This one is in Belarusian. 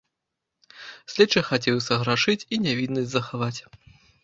Следчы хацеў і саграшыць і нявіннасць захаваць.